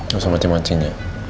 gak usah mancing mancing ya